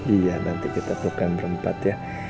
iya nanti kita pelukan berempat ya